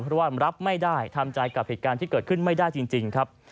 เพราะว่ารับไม่ได้ทำใจกับเหตุการณ์ที่เกิดขึ้นไม่ได้จริงครับ